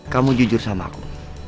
kamu jujur sama aku